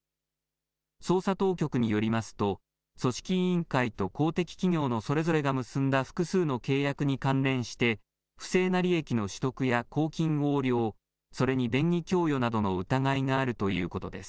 捜査当局によりますと、組織委員会と公的企業のそれぞれが結んだ複数の契約に関連して、不正な利益の取得や公金横領、それに便宜供与などの疑いがあるということです。